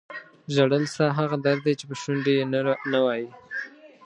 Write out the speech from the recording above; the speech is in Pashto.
ژړل ستا هغه درد دی چې په شونډو یې نه وایې.